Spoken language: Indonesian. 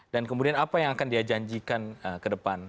dan kemudian apa yang akan dia janjikan ke depan